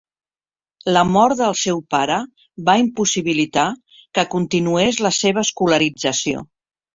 La mort del seu pare va impossibilitar que continués la seva escolarització.